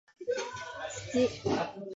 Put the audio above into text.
土